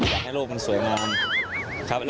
อยากให้โลกมันสวยงามครับ